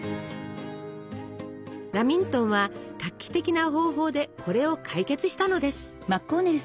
ラミントンは画期的な方法でこれを解決したのです。